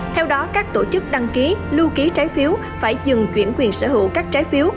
theo đó các tổ chức đăng ký lưu ký trái phiếu phải dừng chuyển quyền sở hữu các trái phiếu